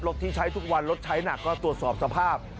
ที่ใช้ทุกวันรถใช้หนักก็ตรวจสอบสภาพ